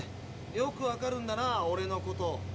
よくわかるんだなオレのこと。